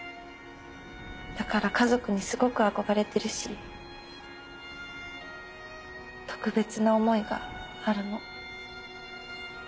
だから家族にすごく憧れてるし特別な思いがあるの。